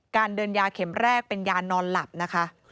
เดินยาเข็มแรกเป็นยานอนหลับนะคะ